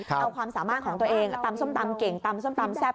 เอาความสามารถของตัวเองตำส้มตำเก่งตำส้มตำแซ่บ